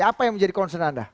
apa yang menjadi concern anda